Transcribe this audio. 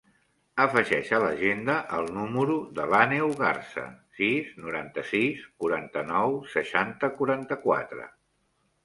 Afegeix a l'agenda el número de l'Àneu Garza: sis, noranta-sis, quaranta-nou, seixanta, quaranta-quatre.